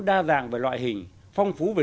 đa dạng về loại hình phong phú về